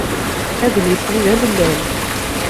Adlis-nni d amellal.